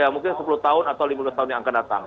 mungkin sepuluh tahun atau lima belas tahun yang akan datang